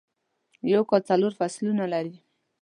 یو کال څلور فصلونه لري.